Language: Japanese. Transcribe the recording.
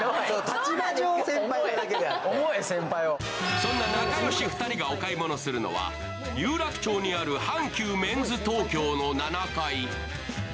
そんな仲良し二人がお買い物するのは有楽町にある阪急メンズ東京の７階。